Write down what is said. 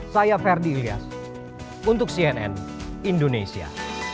saya ferdi ilyas untuk cnn indonesia